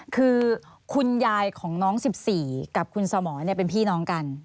คือคุณยายของน้อง๑๔กับคุณสมรเป็นพี่น้องกัน